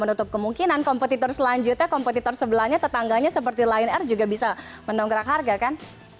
menutup kemungkinan kompetitor selanjutnya kompetitor sebelahnya tetangganya seperti lainnya juga bisa menongkrak harga kan